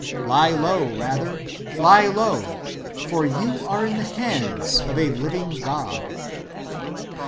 Lie low, rather, lie low; for you are in the hands of a living God.